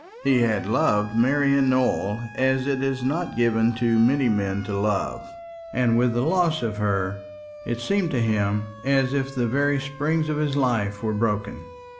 He had loved Marian Nowell as it is not given to many men to love; and with the loss of her, it seemed to him as if the very springs of his life were broken.